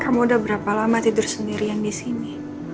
kamu udah berapa lama tidur sendiri ya disini